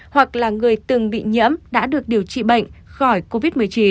hoặc là người từng bị nhiễm đã được điều trị bệnh khỏi covid một mươi chín